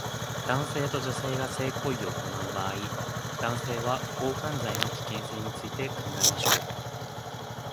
男性と女性が性行為を行う場合、男性は強姦罪の危険性について考えましょう